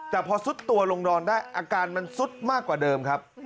แต่พอซุดตัวลงนอนได้อาการมันซุดมากกว่าเดิมครับ